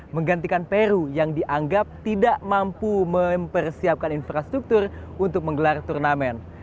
menggantikan peru yang dianggap tidak mampu mempersiapkan infrastruktur untuk menggelar turnamen